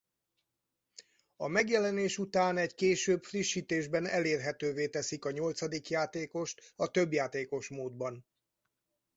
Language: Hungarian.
A megjelenés után egy később frissítésben elérhetővé teszik a nyolcadik játékost a többjátékos módban.